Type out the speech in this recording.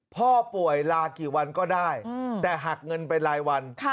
พ่อป่วยลากี่วันก็ได้แต่หักเงินไปรายวัน